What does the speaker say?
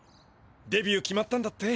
デビュー決まったんだって？